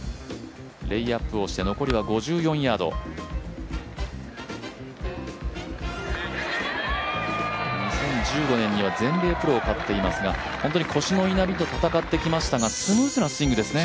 レイアップをして、残りは５４ヤード２０１５年には全米プロを勝っていますが本当に腰の痛みと闘ってきましたがスムーズなスイングですね。